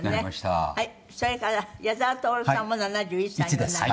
黒柳：それから、矢沢透さんも７１歳におなりに。